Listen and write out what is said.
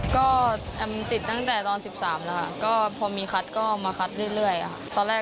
ก็ติดตั้งแต่ตอน๑๓แล้วครับก็พอมีคัทก็เอามาคัทเรื่อยครับ